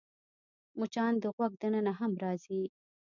مچان د غوږ دننه هم راځي